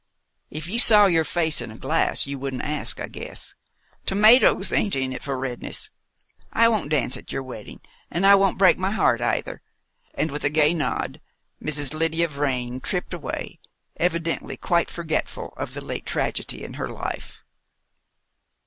"If you saw your face in a glass, you wouldn't ask, I guess. Tomatoes ain't in it for redness. I won't dance at your wedding, and I won't break my heart, either," and with a gay nod Mrs. Lydia Vrain tripped away, evidently quite forgetful of the late tragedy in her life.